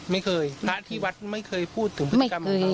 ไม่เคยสะที่วัดไม่เคยพูดถึงพฤติกรรมต่อ